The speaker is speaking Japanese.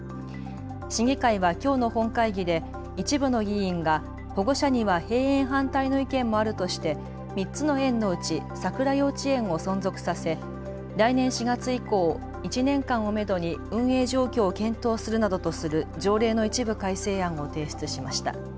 市議会はきょうの本会議で一部の議員が保護者には閉園反対の意見もあるとして３つの園のうち佐倉幼稚園を存続させ来年４月以降、１年間をめどに運営状況を検討するなどとする条例の一部改正案を提出しました。